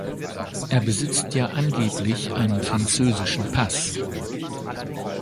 Er besitzt ja angeblich einen französischen Pass.